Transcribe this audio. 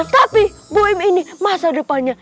tapi boem ini masa depannya